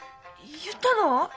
言ったの？